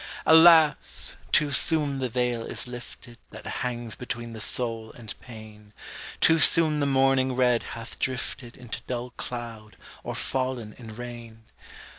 Alas! too soon the veil is lifted That hangs between the soul and pain, Too soon the morning red hath drifted Into dull cloud, or fallen in rain!